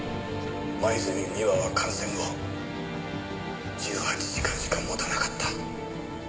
黛美羽は感染後１８時間しかもたなかった。